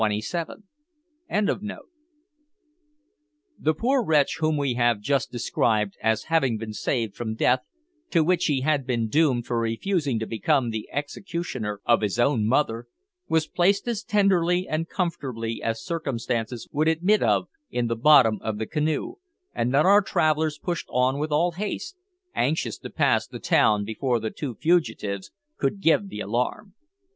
] The poor wretch whom we have just described as having been saved from death, to which he had been doomed for refusing to become the executioner of his own mother, was placed as tenderly and comfortably as circumstances would admit of in the bottom of the canoe, and then our travellers pushed on with all haste anxious to pass the town before the two fugitives could give the alarm.